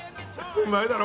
うまいだろ？